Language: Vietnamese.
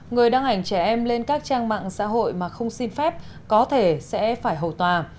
người đăng ảnh trẻ em lên các trang mạng xã hội mà không xin phép có thể sẽ phải hầu tòa